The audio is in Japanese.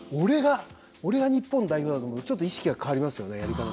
俺が、日本代表だと思うとちょっと意識が変わりますよね。